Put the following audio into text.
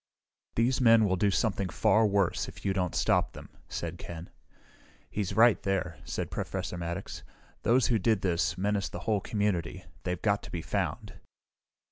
"These men will do something far worse, if you don't stop them," said Ken. "He's right, there," said Professor Maddox. "Those who did this, menace the whole community. They've got to be found."